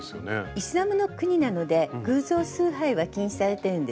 イスラムの国なので偶像崇拝は禁止されてるんですね。